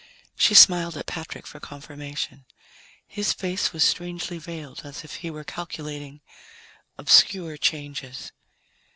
She smiled at Patrick for confirmation. His face was strangely veiled, as if he were calculating obscure changes.